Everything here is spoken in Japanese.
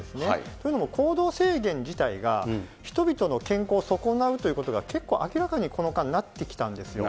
というのも行動制限自体が、人々の健康を損なうということが結構明らかにこの間、なってきたんですよ。